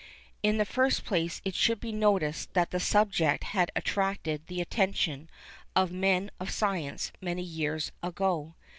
In the first place it should be noticed that the subject had attracted the attention of men of science many years ago.